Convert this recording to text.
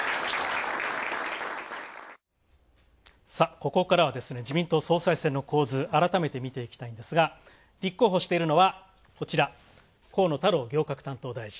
ここからは自民党総裁選の構図改めて見ていきたいんですが、立候補しているのは河野太郎行革担当大臣。